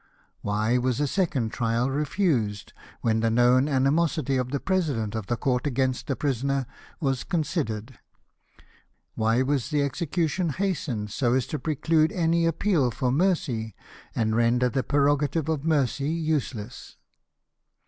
Why was a second trial refused, when the known animosity of the president of the court against the prisoner was con sidered ? Why was the execution hastened so as to preclude any appeal for mercy, and render the prerogative of mercy useless